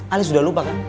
ale sudah lupa kan